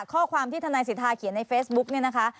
ข้อความที่ทนายสิทธาเขียนในเฟซบุ๊กเนี่ยนะคะ